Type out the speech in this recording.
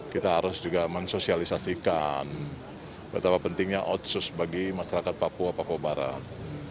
kita harus juga mensosialisasikan betapa pentingnya otsus bagi masyarakat papua papua barat